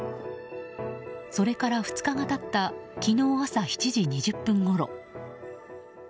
それから２日が経った昨日朝７時２０分ごろ。